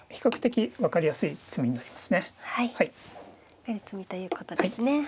これで詰みということですね。